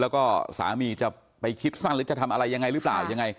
แล้วก็สามีจะไปคิดสั้นหรือจะทำอะไรยังไงหรือเปล่ายังไง